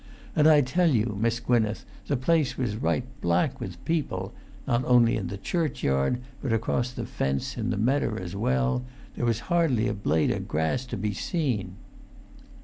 And I tell you, Miss Gwynneth, the place was right black with people; not only in the churchyard, but across the fence in the medder as well; there was hardly a blade o' grass to be seen."